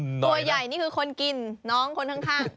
ตัวใหญ่นี่คือคนกินน้องคนข้าง